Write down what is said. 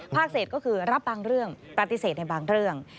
เสร็จก็คือรับบางเรื่องปฏิเสธในบางเรื่อง